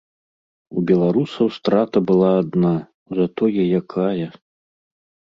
У беларусаў страта была адна, затое якая!